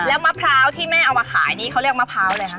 แล้วมะพร้าวที่แม่เอามาขายนี่เขาเรียกมะพร้าวอะไรคะ